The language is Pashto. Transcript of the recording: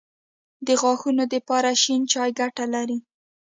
د غاښونو دپاره شين چای ګټه لري